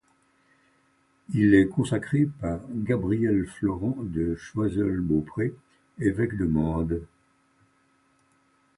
Il est consacré par Gabriel-Florent de Choiseul-Beaupré évêque de Mende.